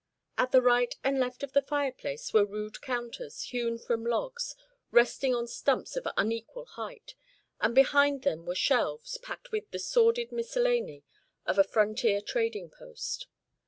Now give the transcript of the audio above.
At the right and left of the fireplace were rude counters, hewn from logs, resting on stumps of unequal height, and behind them were shelves, packed with the sordid miscellany of a frontier trading post.